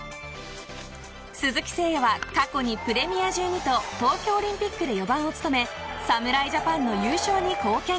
鈴木誠也は過去にプレミア１２と東京オリンピックで４番を務め侍ジャパンの優勝に貢献。